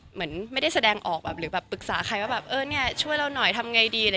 เหมือนไม่ได้แสดงออกหรือปรึกษาใครว่าช่วยเราหน่อยทำไงดี